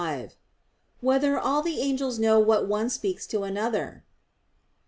5] Whether All the Angels Know What One Speaks to Another?